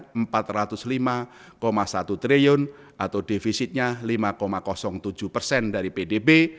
rp empat ratus lima satu triliun atau defisitnya lima tujuh persen dari pdb